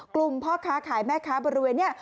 กลุ่มพ่อค้าขายแม่ค้าบริเวณนี่